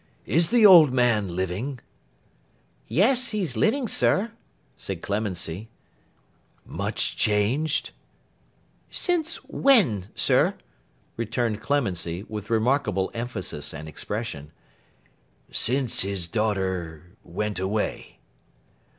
—Is the old man living?' 'Yes, he's living, sir,' said Clemency. 'Much changed?' 'Since when, sir?' returned Clemency, with remarkable emphasis and expression. 'Since his daughter—went away.